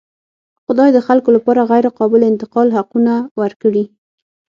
خدای د خلکو لپاره غیرقابل انتقال حقونه ورکړي.